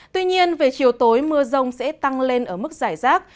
tuy nhiên về chiều tối mưa rông sẽ tăng lên ở mức giải rác